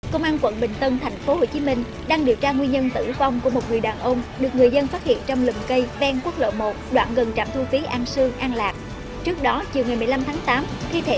các bạn hãy đăng ký kênh để ủng hộ kênh của chúng mình nhé